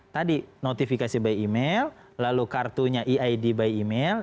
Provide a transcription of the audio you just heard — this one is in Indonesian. tadi notifikasi by email lalu kartunya e id